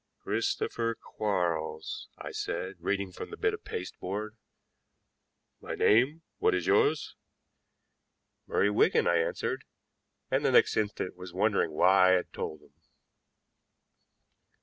"Christopher Quarles," I said, reading from the bit of pasteboard. "My name. What is yours?" "Murray Wigan," I answered, and the next instant was wondering why I had told him.